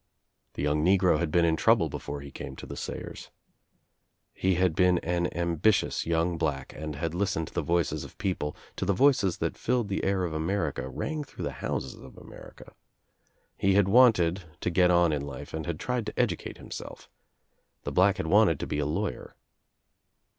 The young negro had been in trouble before hi came to the Sayers. He had been an ambitious young black and had listened to the voices of people, to th< voices that filled the air of America, rang through the houses of America, He had wanted to get on life and had tried to educate himself. The black had wanted to be a lawyer.